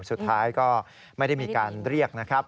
สุดท้ายก็ไม่ได้มีการเรียกนะครับ